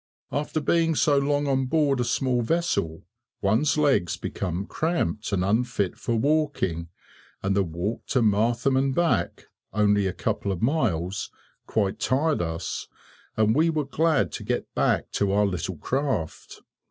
After being so long on board a small vessel, one's legs become cramped and unfit for walking, and the walk to Martham and back, only a couple of miles, quite tired us, and we were glad to get back to our little craft.